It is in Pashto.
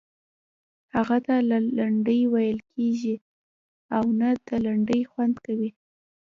هغه ته نه لنډۍ ویل کیږي او نه د لنډۍ خوند کوي.